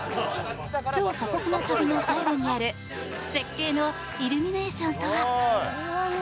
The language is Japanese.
超過酷な旅の最後にある絶景のイルミネーションとは。